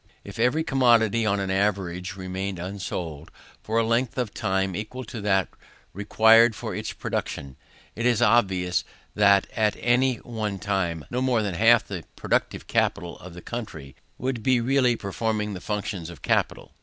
If every commodity on an average remained unsold for a length of time equal to that required for its production, it is obvious that, at any one time, no more than half the productive capital of the country would be really performing the functions of capital.